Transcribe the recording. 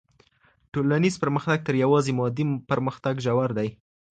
ټولنیز پرمختګ تر یوازې مادي پرمختګ ژور دی.